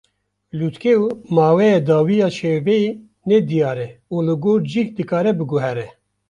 Lûtke û maweya dawî ya şewbeyê nediyar e û li gor cih dikare biguhere.